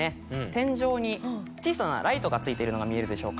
天井に小さなライトがついているのが見えるでしょうか。